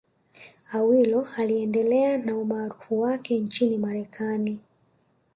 Awilo aliendelea na umaarufu wake nchini Marekani